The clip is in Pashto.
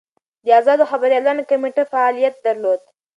د ازادو خبریالانو کمېټه فعالیت درلود.